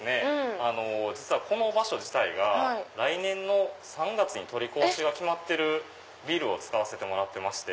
実はこの場所自体が来年の３月に取り壊しが決まってるビルを使わせてもらってまして。